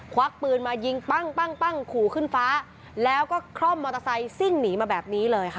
วักปืนมายิงปั้งปั้งปั้งขู่ขึ้นฟ้าแล้วก็คล่อมมอเตอร์ไซค์ซิ่งหนีมาแบบนี้เลยค่ะ